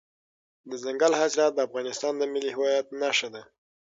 دځنګل حاصلات د افغانستان د ملي هویت نښه ده.